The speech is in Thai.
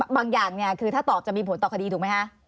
อย่างเนี่ยคือถ้าตอบจะมีผลต่อคดีถูกไหมคะ